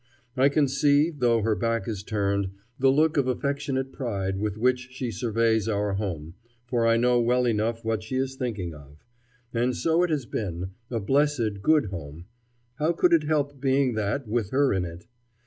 I can see, though her back is turned, the look of affectionate pride with which she surveys our home, for I know well enough what she is thinking of. And so it has been; a blessed, good home; how could it help being that with her in it?